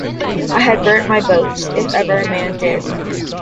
I had burnt my boats — if ever a man did!